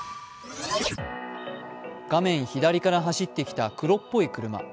画面左から走ってきた黒っぽい車。